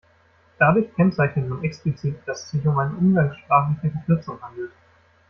Dadurch kennzeichnet man explizit, dass es sich um eine umgangssprachliche Verkürzung handelt.